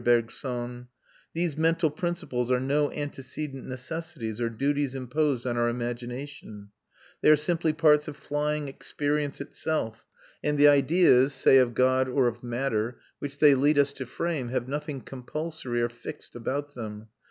Bergson these mental principles are no antecedent necessities or duties imposed on our imagination; they are simply parts of flying experience itself, and the ideas say of God or of matter which they lead us to frame have nothing compulsory or fixed about them.